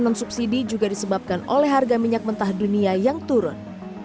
dan obsidi juga disebabkan oleh harga minyak mentah dunia yang turun